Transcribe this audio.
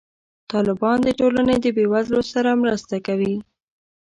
طالبان د ټولنې د بې وزلو سره مرسته کوي.